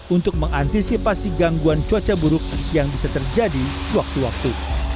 untuk mengantisipasi gangguan cuaca buruk yang bisa terjadi sewaktu waktu